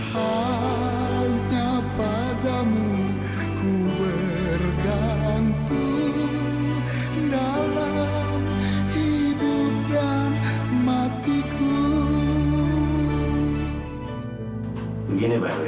hanya padamu ku bergantung